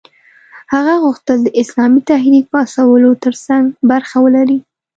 هغه غوښتل د اسلامي تحریک پاڅولو ترڅنګ برخه ولري.